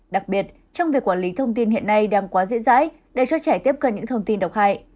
đặc biệt trong việc quản lý thông tin hiện nay đang quá dễ dãi để cho trẻ tiếp cận những thông tin độc hại